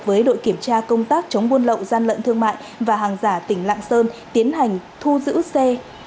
với đội kiểm tra công tác chống buôn lậu gian lận thương mại và hàng giả tỉnh lạng sơn tiến hành thu giữ xe